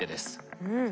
うん。